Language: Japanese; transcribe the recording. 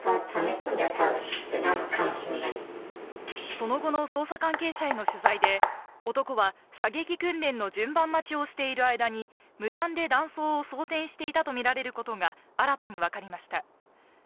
その後の捜査関係者への取材で男は射撃訓練の順番待ちをしている間に、無断で弾倉を装填していたとみられることが新たにわかりました。